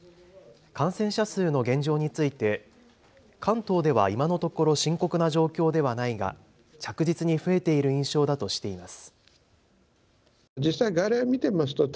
感染者数の現状について関東では今のところ深刻な状況ではないが着実に増えている印象だとしています。